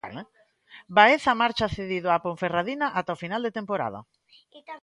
Baeza marcha cedido á Ponferradina ata o final de temporada.